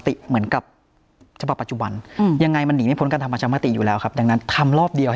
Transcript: ทีนี้เนี่ย